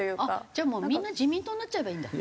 じゃあもうみんな自民党になっちゃえばいいんだ。